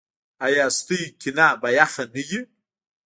ایا ستاسو کینه به یخه نه وي؟